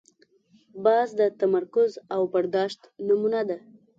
باز د تمرکز او برداشت نمونه ده